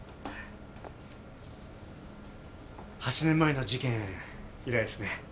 ８年前の事件以来ですね。